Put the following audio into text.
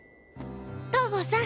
東郷さん